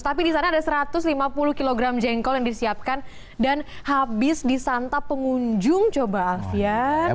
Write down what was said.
tapi di sana ada satu ratus lima puluh kg jengkol yang disiapkan dan habis disantap pengunjung coba alfian